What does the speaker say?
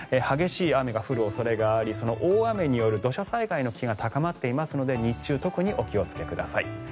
激しい雨が降る恐れがあり大雨による土砂災害の危険が高まっていますので日中特にお気をつけください。